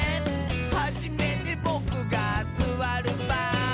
「はじめてボクがすわるばん」